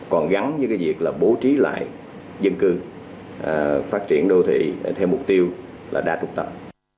còn gắn với cái việc là bố trí lại dân cư phát triển đô thị theo mục tiêu là đa trục tập